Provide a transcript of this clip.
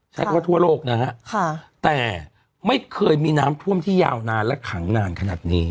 ใช้คำว่าทั่วโลกนะฮะแต่ไม่เคยมีน้ำท่วมที่ยาวนานและขังนานขนาดนี้